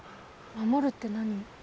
守るって何？